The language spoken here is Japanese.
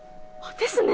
ですね。